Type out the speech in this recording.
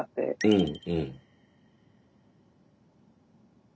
うん。